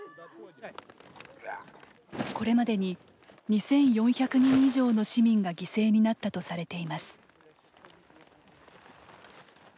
これまでに２４００人以上の市民が犠牲になったとされています。